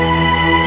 jangan bawa dia